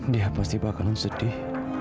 dia pasti akan sedih